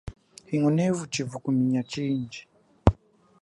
Hingunevu chivukuminya chindji.